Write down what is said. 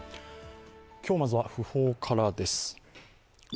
今日まずは訃報からです。